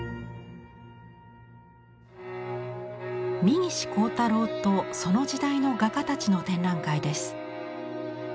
三岸好太郎とその時代の画家たちの展覧会です。